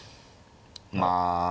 まあ。